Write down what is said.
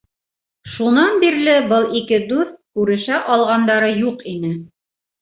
Шунан бирле был ике дуҫ күрешә алғандары юҡ ине.